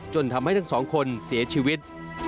ทำให้ทั้งสองคนเสียชีวิต